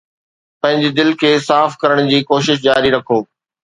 پنهنجي دل کي صاف ڪرڻ جي ڪوشش جاري رکو.